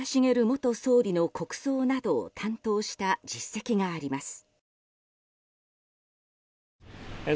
元総理の国葬などを担当した実績があります。